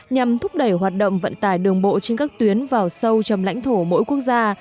nhằm thúc đẩy hoạt động vận tải đường bộ trên các tuyến vào sâu trong lãnh thổ mỗi quốc gia